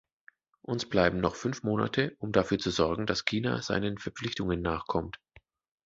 Uns bleiben noch fünf Monate, um dafür zu sorgen, dass China seinen Verpflichtungen nachkommt.